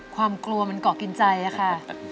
ความกลัวมันเกาะกินใจค่ะ